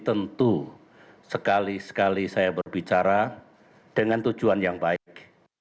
tentu sekali sekali saya berbicara dengan tujuan yang baik